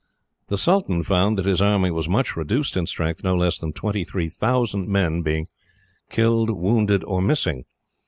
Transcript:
The sultan found that his army was much reduced in strength, no less than twenty three thousand men being killed, wounded, or missing.